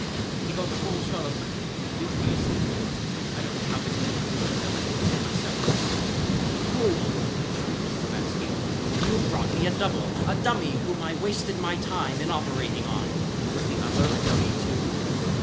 "He got a full shot of lethane and he's due to be asleep yet. I don't know how this man recovered. I left him there myself." "Fool!" shrieked Slavatsky. "You brought me a double, a dummy whom I wasted my time in operating on. Was the other a dummy, too?"